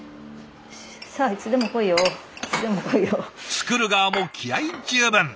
作る側も気合い十分。